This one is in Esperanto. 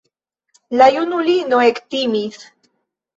La junulino ektimis.